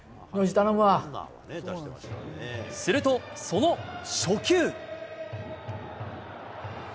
すると、その初球。